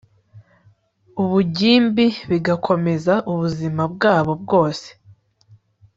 ubugimbi bigakomeza ubuzima bwabo bwose